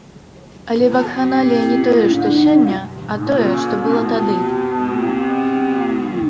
Але вакханалія не тое, што сёння, а тое, што было тады.